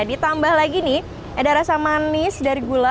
ditambah lagi nih ada rasa manis dari gula